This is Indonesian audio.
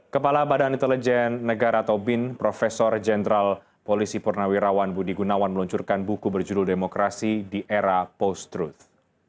kepala badan intelijen negara tobin prof jenderal polisi purnawirawan budi gunawan meluncurkan buku berjudul demokrasi di era post truth